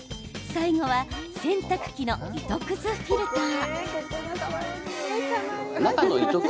最後は洗濯機の糸くずフィルター。